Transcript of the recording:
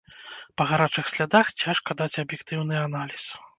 Па гарачых слядах цяжка даць аб'ектыўны аналіз.